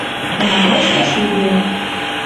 Камакашкы шудеӓт.